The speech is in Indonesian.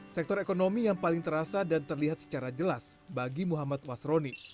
sektor ekonomi yang paling terasa dan terlihat secara jelas bagi muhammad wasroni